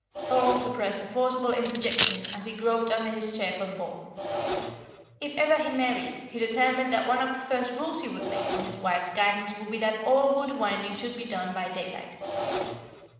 Thorold suppressed a forcible interjection as he groped under his chair for the ball. If ever he married, he determined that one of the first rules he would make for his wife's guidance would be that all wool winding should be done by daylight.